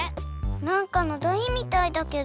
なんかのだいみたいだけど。